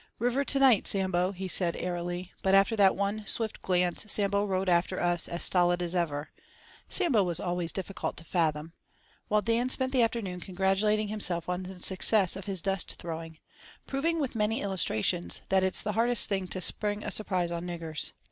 "River to night, Sambo," he said airily, but after that one swift glance Sambo rode after us as stolid as ever—Sambo was always difficult to fathom—while Dan spent the afternoon congratulating himself on the success of his dust throwing, proving with many illustrations that "it's the hardest thing to spring a surprise on niggers.